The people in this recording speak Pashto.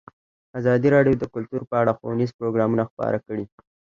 ازادي راډیو د کلتور په اړه ښوونیز پروګرامونه خپاره کړي.